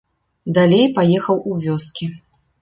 Далей паехаў у вёскі.